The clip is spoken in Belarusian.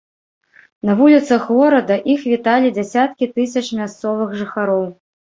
На вуліцах горада іх віталі дзясяткі тысяч мясцовых жыхароў.